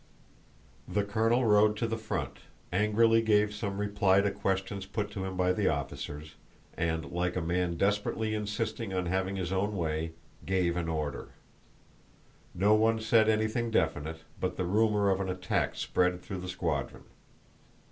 The colonel rode to the front, angrily gave some reply to questions put to him by the officers, and, like a man desperately insisting on having his own way, gave an order. No one said anything definite, but the rumor of an attack spread through the squadron.